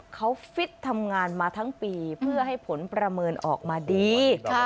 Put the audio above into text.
เขาฟิตทำงานมาทั้งปีเพื่อให้ผลประเมินออกมาดี